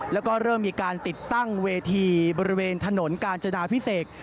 แล้วก็เริ่มมีการติดตั้งเวทีบริเวณถนนกาญจนาพิเศษ